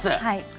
はい。